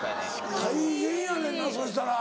大変やねんなそしたら。